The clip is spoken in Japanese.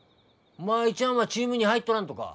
舞ちゃんはチームに入っとらんとか？